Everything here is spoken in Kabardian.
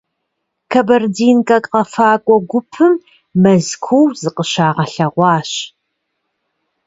«Кабардинкэ» къэфакӏуэ гупым Мэзкуу зыкъыщагъэлъэгъуащ.